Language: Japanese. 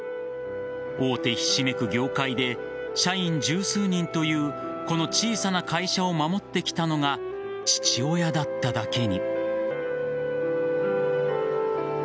大手ひしめく業界で社員十数人というこの小さな会社を守ってきたのが父親だっただけに。